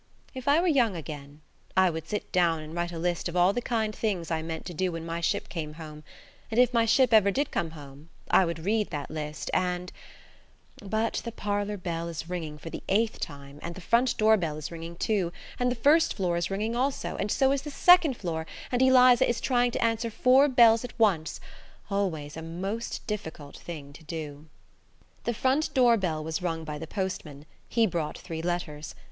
If I were young again I would sit down and write a list of all the kind things I meant to do when my ship came home, and if my ship ever did come home I would read that list, and–But the parlour bell is ringing for the eighth time, and the front door bell is ringing too, and the first floor is ringing also, and so is the second floor, and Eliza is trying to answer four bells at once–always a most difficult thing to do. The front door bell was rung by the postman; he brought three letters.